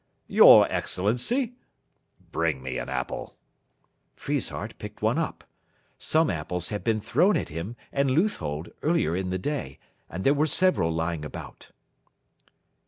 "Your Excellency?" "Bring me an apple." Friesshardt picked one up. Some apples had been thrown at him and Leuthold earlier in the day, and there were several lying about.